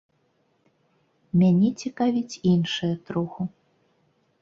Мяне цікавіць іншае троху.